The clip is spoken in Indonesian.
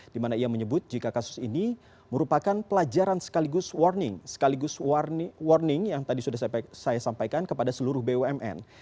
di mana ia menyebut jika kasus ini merupakan pelajaran sekaligus warning sekaligus warning yang tadi sudah saya sampaikan kepada seluruh bumn